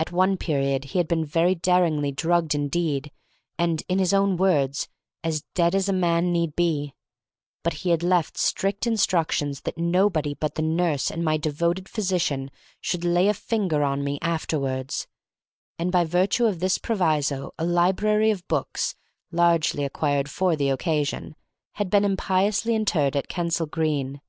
At one period he had been very daringly drugged indeed, and, in his own words, "as dead as a man need be"; but he had left strict instructions that nobody but the nurse and "my devoted physician" should "lay a finger on me" afterwards; and by virtue of this proviso a library of books (largely acquired for the occasion) had been impiously interred at Kensal Green.